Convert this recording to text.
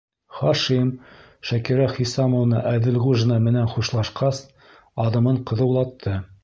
Хашим, Шакира Хисамовна Әҙелғужина менән хушлашҡас, аҙымын ҡыҙыулатты.